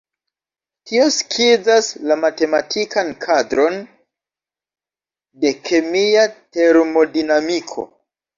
Tio skizas la matematikan kadron de kemia termodinamiko.